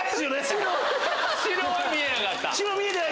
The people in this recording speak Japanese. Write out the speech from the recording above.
白は見えなかった。